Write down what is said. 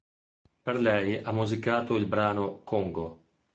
Per lei ha musicato il brano "Congo".